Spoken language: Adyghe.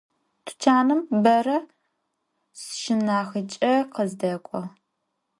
Tuçanım bera sşşınahıç'e khızdek'o.